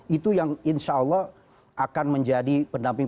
itu yang insya allah akan menjadi pendamping